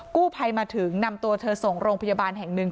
กู้ภัยมาถึงนำตัวเธอส่งโรงพยาบาลแห่งหนึ่ง